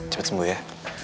cepet sembuh ya